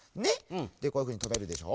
こういうふうにとめるでしょ。